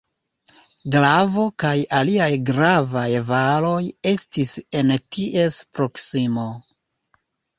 Glavo kaj aliaj gravaj varoj estis en ties proksimo.